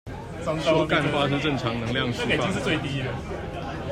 說幹話是正常能量釋放